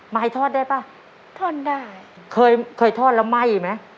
ให้ทอดได้ป่ะทอดได้เคยเคยทอดแล้วไหม้ไหม